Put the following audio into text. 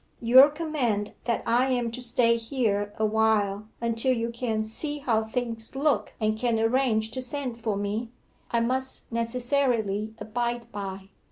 Your command that I am to stay here awhile until you can "see how things look" and can arrange to send for me, I must necessarily abide by.